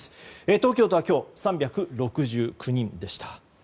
東京都は今日３６９人でした。